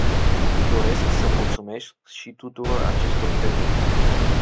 Doresc să mulțumesc și tuturor acestor femei.